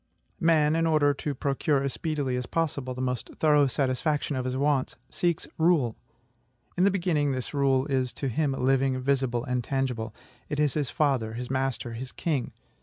Man, in order to procure as speedily as possible the most thorough satisfaction of his wants, seeks RULE. In the beginning, this rule is to him living, visible, and tangible. It is his father, his master, his king.